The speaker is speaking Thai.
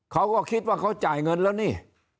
เขาก็คิดว่าเขาจ่ายเงินแล้วนี่